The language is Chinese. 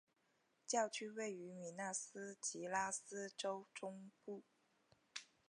教区位于米纳斯吉拉斯州中部。